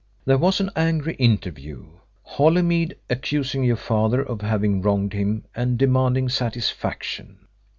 There was an angry interview, Holymead accusing your father of having wronged him and demanding satisfaction.